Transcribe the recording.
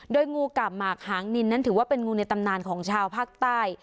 โดยงูกาบหมากหางนินนั้นถือว่าเป็นงูในตำนานของชาวภาคใต้